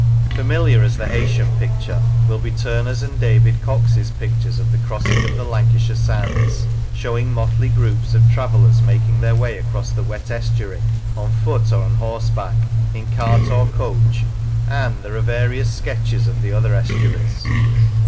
Familiar as the Heysham picture will be Turner's and David Cox's pictures of the crossing of the Lan cashire Sands, showing motley groups of travellers making their way across the wet estuary on foot or on horseback, in cart or coach, and there are various Lancashire sketches of the other estuaries.